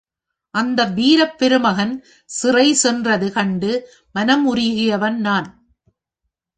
அந்த வீரப் பெருமகன் சிறை சென்றது கண்டு மனம் உருகியவன் நான்.